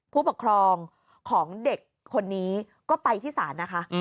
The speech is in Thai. ผู้ปกครองของเด็กคนนี้ก็ไปที่ศาลนะคะ